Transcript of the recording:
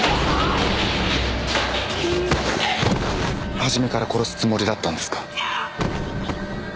初めから殺すつもりだったんですか？